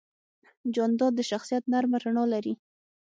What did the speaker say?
جانداد د شخصیت نرمه رڼا لري.